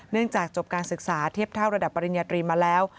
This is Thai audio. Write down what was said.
จากจบการศึกษาเทียบเท่าระดับปริญญาตรีมาแล้ว